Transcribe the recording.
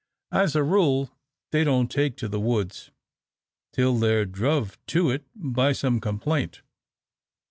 As a rule, they don't take to the woods till they're druv to it by some complaint.